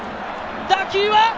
打球は！